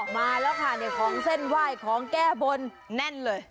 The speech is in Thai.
มาแล้วค่ะของเส้นไหว้ของแก้บนแน่นเลย